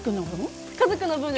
家族の分です。